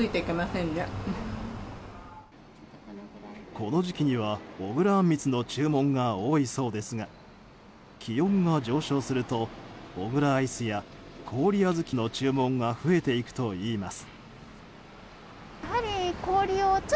この時期には小倉あんみつの注文が多いそうですが気温が上昇すると小倉アイスや氷あずきの注文が増えていくといいます。